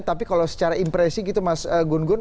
tapi kalau secara impresi gitu mas gun gun